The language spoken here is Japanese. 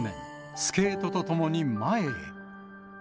スケートと共に前へ。